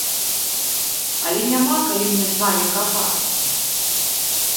Але няма калі мне з вамі капацца.